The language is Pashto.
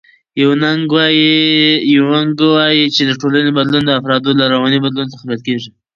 یونګ وایي چې د ټولنې بدلون د افرادو له رواني بدلون څخه پیل کېږي.